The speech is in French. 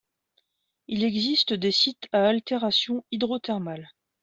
Il existe des sites à altérations hydrothermales.